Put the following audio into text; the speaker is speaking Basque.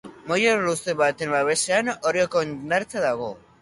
Moila luze baten babesean, Orioko hondartza dago.